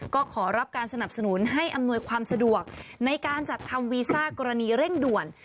ก็ขอรับการสนับสนุนให้อำนวยความสะดวกในการจัดทำวีซ่ากรณีเร่งด่วน